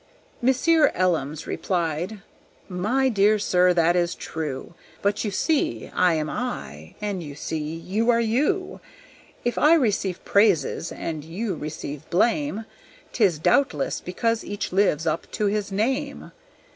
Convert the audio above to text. Monsieur Elims replied: "My dear sir, that is true, But you see, I am I, and you see, you are you. If I receive praises and you receive blame, 'Tis doubtless because each lives up to his name."